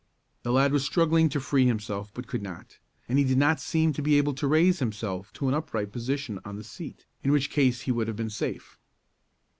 The lad was struggling to free himself but could not, and he did not seem to be able to raise himself to an upright position on the seat, in which case he would have been safe.